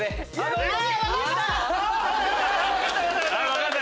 分かった。